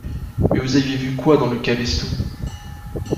Mais vous aviez quoi dans le cabestou?